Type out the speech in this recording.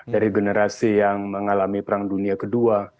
dari generasi yang mengalami perang dunia kedua